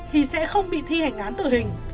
thì sẽ không bị thi hành án tử hình